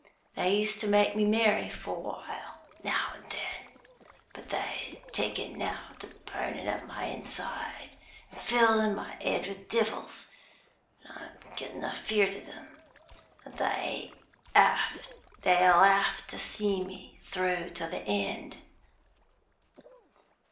They used to make me merry for a while, now and then; but they've taken now to burnin' up my inside, an' filling my 'ead with devils; an' I'm gettin' afeard of 'em, an' they'll 'ave to see me through to the end.